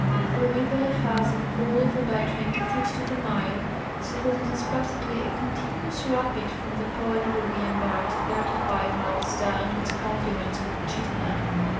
The river has a fall of about twenty feet to the mile, so that it is practically a continuous rapid from the point where we embarked thirty five miles down to its conflu ence with the Chittenah.